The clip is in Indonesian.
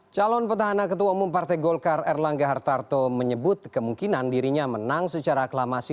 calon petahana ketua umum partai golkar erlangga hartarto menyebut kemungkinan dirinya menang secara aklamasi